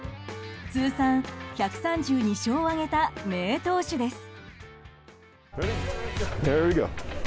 通算１３２勝を挙げた名投手です。